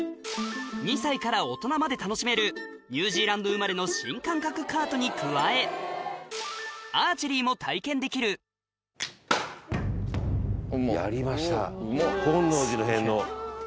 ２歳から大人まで楽しめるニュージーランド生まれの新感覚カートに加えアーチェリーも体験できるやりました。